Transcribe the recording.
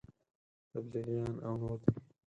تبلیغیان او نور دي.